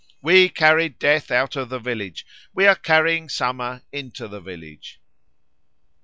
We carried Death out of the village, We are carrying Summer into the village."